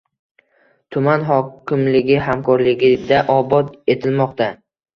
Tuman hokimligi hamkorligida obod etilmoqda.